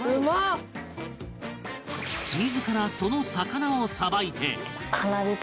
自らその魚を捌いて